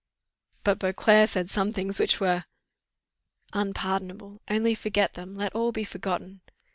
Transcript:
"But Beauclerc said some things which were " "Unpardonable only forget them; let all be forgotten."